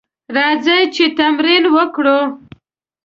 راځئ چې تمرين وکړو.